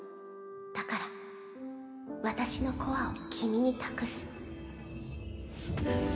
だから私のコアを君に託す